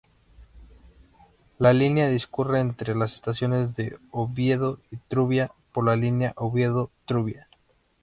La línea discurre entre las estaciones de Oviedo y Trubia por la línea Oviedo-Trubia.